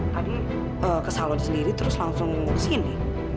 tadi kesal dia sendiri terus langsung kesini